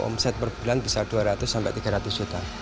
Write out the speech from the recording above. omset per bulan bisa dua ratus sampai tiga ratus juta